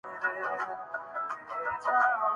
جلد از جلد ٹریک کی مرمت کر کے سروس بحال